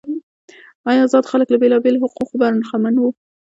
آزاد خلک له بیلابیلو حقوقو برخمن وو.